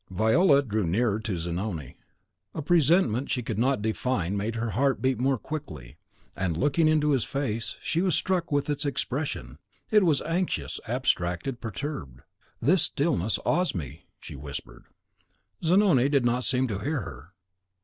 Viola drew nearer to Zanoni. A presentiment she could not define made her heart beat more quickly; and, looking into his face, she was struck with its expression: it was anxious, abstracted, perturbed. "This stillness awes me," she whispered. Zanoni did not seem to hear her.